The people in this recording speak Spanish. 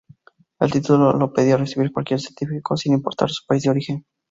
El título lo podía recibir cualquier científico sin importar su país de origen.